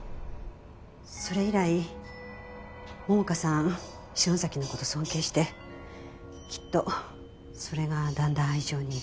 それ以来桃花さん篠崎の事を尊敬してきっとそれがだんだん愛情に。